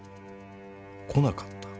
来なかった？